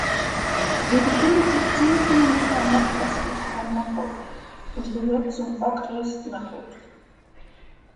Sie befindet sich zehn Kilometer nordöstlich von Náchod und gehört zum Okres Náchod.